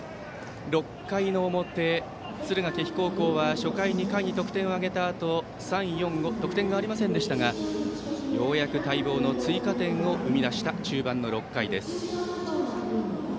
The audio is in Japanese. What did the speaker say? ６回の表、敦賀気比高校は初回、２回に得点を挙げたあと３、４、５と得点がありませんでしたがようやく待望の追加点を生み出した中盤の６回です。